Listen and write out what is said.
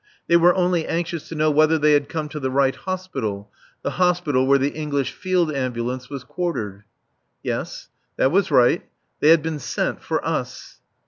They were only anxious to know whether they had come to the right Hospital, the Hospital where the English Field Ambulance was quartered. Yes: that was right. They had been sent for us.